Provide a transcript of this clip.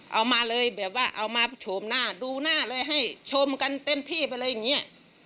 เอามาเลยแบบว่าเอามาโฉมหน้าดูหน้าเลยให้ชมกันเต็มที่ไปเลยอย่างนี้